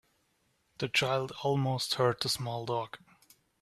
The child almost hurt the small dog.